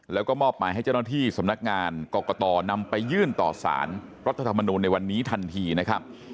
แล้วก็มอบหมายให้เจ้าหน้าที่สำนักงานกรกตนำไปยื่นต่อสารรัฐธรรมนูลในวันนี้ทันทีนะครับ